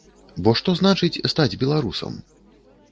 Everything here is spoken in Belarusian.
Бо што значыць стаць беларусам?